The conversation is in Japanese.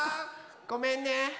ごめんね。